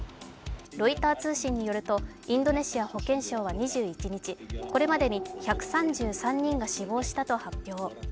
ロイター通信によると、インドネシア保健省は２１日、これまでに１３３人が死亡したと発表。